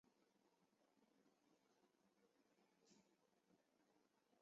卵叶花佩菊为菊科花佩菊属下的一个种。